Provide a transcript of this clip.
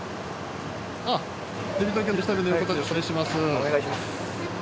お願いします。